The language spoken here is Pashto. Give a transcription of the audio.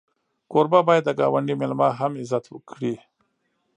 کوربه باید د ګاونډي میلمه هم عزت کړي.